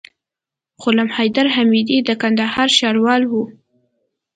غلام حيدر حميدي د کندهار ښاروال وو.